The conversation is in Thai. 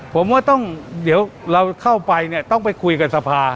ผมว่าต้องเดี๋ยวเราเข้าไปเนี่ยต้องไปคุยกับสภา